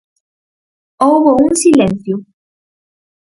Houbo un silencio.